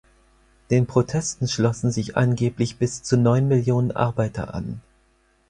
Den Protesten schlossen sich angeblich bis zu neun Millionen Arbeiter an.